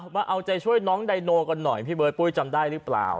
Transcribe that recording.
มาเอาใจช่วยน้องไดโนกันหน่อยพี่เบิร์ดปุ้ยจำได้หรือเปล่า